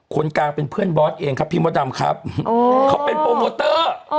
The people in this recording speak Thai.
คนกลางเป็นเพื่อนบอสเองครับพี่มดดำครับเขาเป็นโปรโมเตอร์